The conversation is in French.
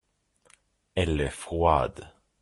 elle est froide.